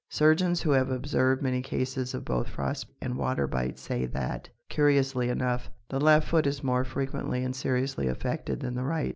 Surgeons who have observed many cases of both frost and water bite say that, curiously enough, the left foot is more frequently and seriously affected than the right.